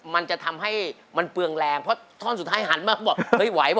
มันจะทำให้มันเปลืองแรงเพราะท่อนสุดท้ายหันมาบอกเฮ้ยไหว